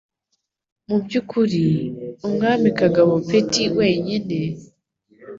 Mubyukuri, Umwami Kagabo Petty wenyine,